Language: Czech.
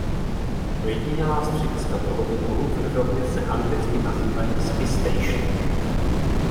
Ojedinělá střediska tohoto druhu v Evropě se anglicky nazývají „ski station“.